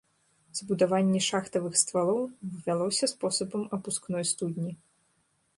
Збудаванне шахтавых ствалоў вялося спосабам апускной студні.